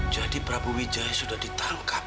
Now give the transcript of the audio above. jadi prabu wijaya sudah ditangkap